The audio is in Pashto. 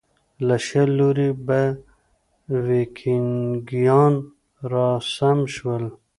له شل لوري به ویکینګیان راسم شول.